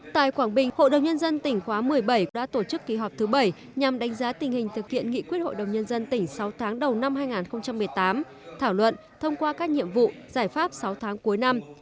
tại quảng bình hội đồng nhân dân tỉnh khóa một mươi bảy đã tổ chức kỳ họp thứ bảy nhằm đánh giá tình hình thực hiện nghị quyết hội đồng nhân dân tỉnh sáu tháng đầu năm hai nghìn một mươi tám thảo luận thông qua các nhiệm vụ giải pháp sáu tháng cuối năm